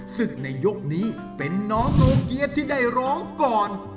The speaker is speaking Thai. ศึกในยกนี้เป็นน้องโนเกียจที่ได้ร้องก่อน